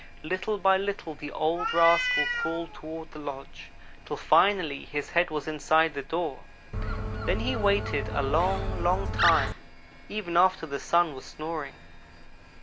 Little by little the old rascal crawled toward the lodge, till finally his head was inside the door. Then he waited a long, long time, even after the Sun was snoring.